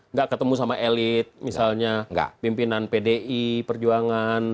nggak ketemu sama elit misalnya pimpinan pdi perjuangan